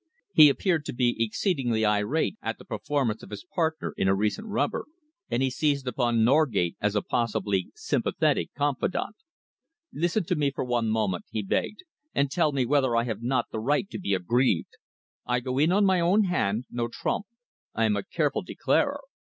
He appeared to be exceedingly irate at the performance of his partner in a recent rubber, and he seized upon Norgate as a possibly sympathetic confidant. "Listen to me for one moment," he begged, "and tell me whether I have not the right to be aggrieved. I go in on my own hand, no trump. I am a careful declarer.